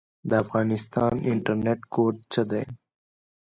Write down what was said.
د افغانستان انټرنیټ کوډ څه دی؟